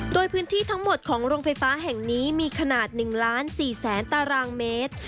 โดยพื้นที่ทั้งหมดของโรงไฟฟ้าแห่งนี้มีขนาด๑ล้าน๔แสนตารางเมตร